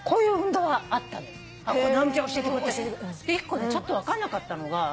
１個ちょっと分かんなかったのが